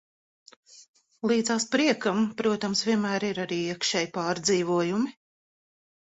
Līdzās priekam, protams, vienmēr ir iekšēji pārdzīvojumi.